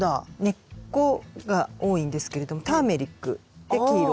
根っこが多いんですけれどもターメリックで黄色。